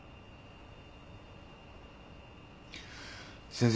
先生。